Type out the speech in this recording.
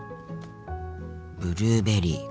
ブルーベリーか。